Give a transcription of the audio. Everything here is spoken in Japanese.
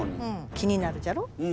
気になるじゃろ？